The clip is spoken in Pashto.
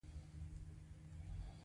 همدې لویو لویو باټو غرق کړو.